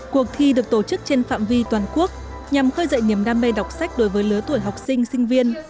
cuộc thi được tổ chức trên phạm vi toàn quốc nhằm khơi dậy niềm đam mê đọc sách đối với lứa tuổi học sinh sinh viên